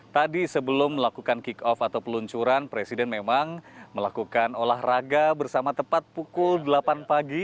tadi sebelum melakukan kick off atau peluncuran presiden memang melakukan olahraga bersama tepat pukul delapan pagi